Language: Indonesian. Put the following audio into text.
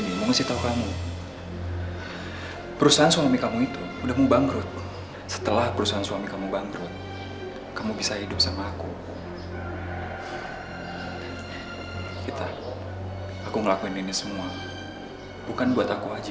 damian aku tau kamu ngelakuin ini buat